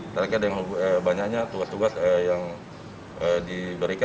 karena ada banyaknya tugas tugas yang diperlukan